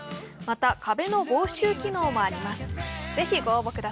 また、壁の防臭機能もあります。